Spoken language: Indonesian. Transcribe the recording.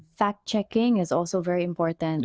pemeriksaan fakta juga sangat penting